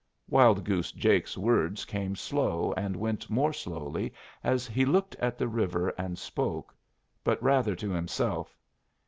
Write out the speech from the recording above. Wild Goose Jake's words came slow and went more slowly as he looked at the river and spoke, but rather to himself.